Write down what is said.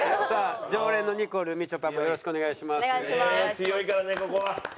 強いからねここは。